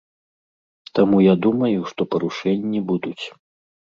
Таму я думаю, што парушэнні будуць.